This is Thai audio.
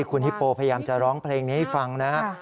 คุณฮิปโปพยายามจะร้องเพลงนี้ให้ฟังนะครับ